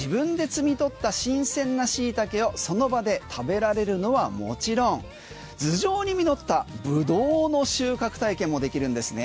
自分で摘み取った新鮮なシイタケをその場で食べられるのはもちろん頭上に実ったブドウの収穫体験もできるんですね。